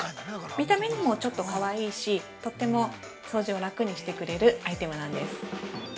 見た目にもちょっとかわいいし、とっても掃除を楽にしてくれるアイテムなんです。